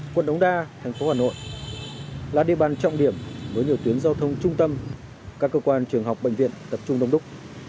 quận đống đa thành phố hà nội là địa bàn trọng điểm với nhiều tuyến giao thông trung tâm các cơ quan trường học bệnh viện tập trung đông đúc